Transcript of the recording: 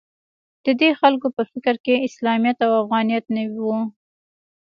د دې خلکو په فکر کې اسلامیت او افغانیت نه و